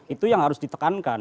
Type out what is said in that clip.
itu yang harus ditekankan